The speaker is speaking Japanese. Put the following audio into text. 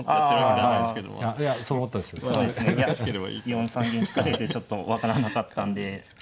４三銀引かれてちょっと分からなかったんで。